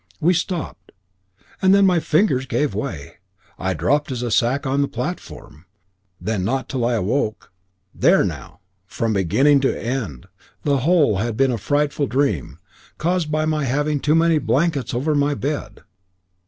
We stopped; and then my fingers gave way. I dropped as a sack on the platform, and then, then not till then I awoke. There now! from beginning to end the whole had been a frightful dream caused by my having too many blankets over my bed.